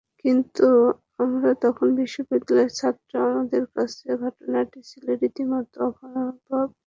কিন্তু আমরা তখন বিশ্ববিদ্যালয়ের ছাত্র, আমাদের কাছে ঘটনাটা ছিল রীতিমতো অভাবনীয়।